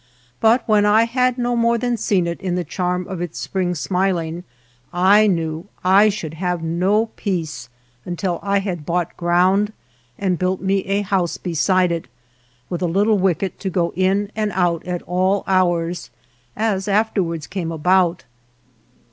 But when I had no more than seen it in the charm of its spring smiling, I kriew I should have no peace until I had bought ground and built me a house beside it, with a little wicket to go in and out at all hours, as afterward came about.